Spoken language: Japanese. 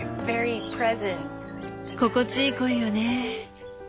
心地いい声よね。